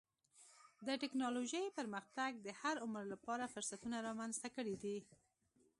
د ټکنالوجۍ پرمختګ د هر عمر لپاره فرصتونه رامنځته کړي دي.